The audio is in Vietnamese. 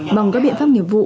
bằng các biện pháp nghiệp vụ